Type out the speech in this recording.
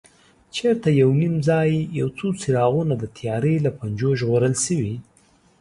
چېرته یو نیم ځای یو څو څراغونه د تیارې له پنجو ژغورل شوي.